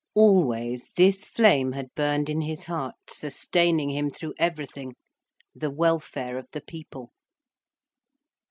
Always, this flame had burned in his heart, sustaining him through everything, the welfare of the people.